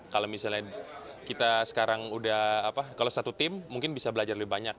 kalau misalnya kita sekarang udah apa kalau satu tim mungkin bisa belajar lebih banyak